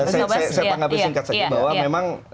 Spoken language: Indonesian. saya menganggap ini singkat sekali bahwa memang